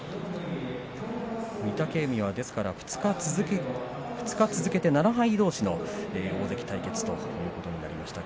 御嶽海は２日続けて７敗どうしの大関対決ということになりました。